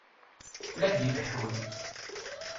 La d-ileḥḥun.